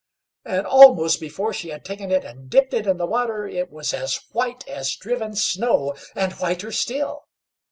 And almost before she had taken it and dipped it in the water, it was as white as driven snow, and whiter still.